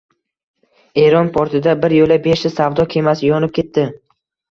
Eron portida biryo‘la beshta savdo kemasi yonib ketdi